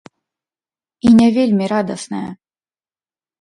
І не вельмі радасная.